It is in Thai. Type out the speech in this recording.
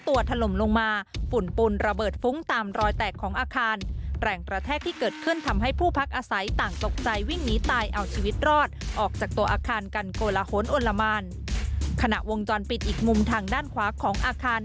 ติดตามได้จากรายงานครับ